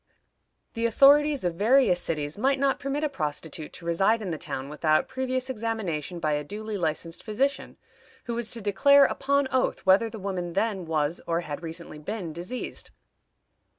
The authorities of various cities might not permit a prostitute to reside in the town without previous examination by a duly licensed physician, who was to declare, upon oath, whether the woman then was or had recently been diseased.